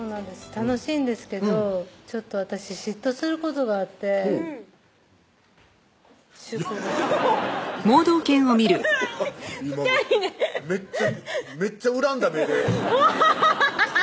楽しいんですけどちょっと私嫉妬することがあってシュクレにめっちゃめっちゃ恨んだ目でハハハ